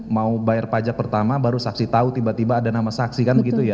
mau bayar pajak pertama baru saksi tahu tiba tiba ada nama saksi kan begitu ya